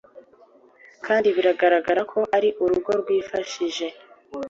kandi bigaraga ko ari urugo rwifashije.